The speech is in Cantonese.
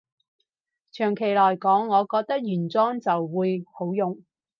長期來講，我覺得原裝就會好用